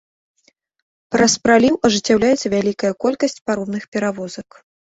Праз праліў ажыццяўляецца вялікая колькасць паромных перавозак.